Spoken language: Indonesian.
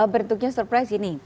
bentuknya surprise gini